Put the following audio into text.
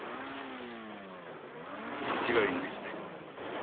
間違いないっすね。